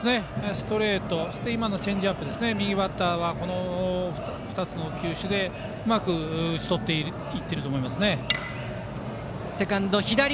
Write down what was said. ストレート、チェンジアップ右バッターは、この２つの球種でうまく打ち取っていると思いますね。